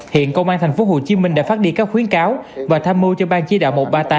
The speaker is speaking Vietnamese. hiện công an tp hcm đã phát đi các khuyến cáo và tham mưu cho ban chỉ đạo một trăm ba mươi tám